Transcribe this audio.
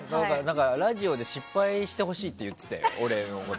ラジオで失敗してほしいって言ってたよ。